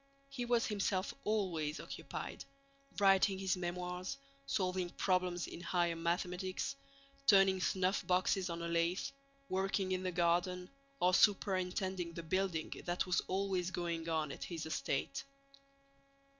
He was himself always occupied: writing his memoirs, solving problems in higher mathematics, turning snuffboxes on a lathe, working in the garden, or superintending the building that was always going on at his estate.